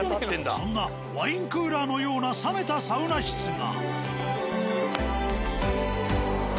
そんなワインクーラーのような冷めたサウナ室が。